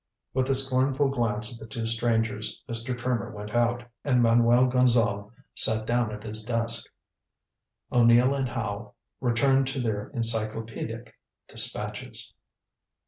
With a scornful glance at the two strangers, Mr. Trimmer went out, and Manuel Gonzale sat down at his desk. O'Neill and Howe returned to their encyclopedic despatches.